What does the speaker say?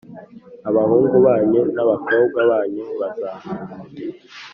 Abahungu banyu n’abakobwa banyu bazahanure,